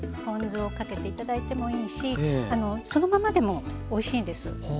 ポン酢をかけていただいてもいいしそのままでもおいしいんです。